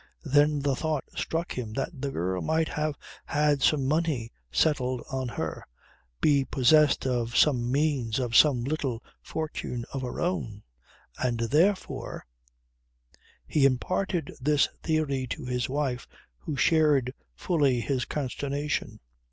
Then the thought struck him that the girl might have had some money settled on her, be possessed of some means, of some little fortune of her own and therefore He imparted this theory to his wife who shared fully his consternation.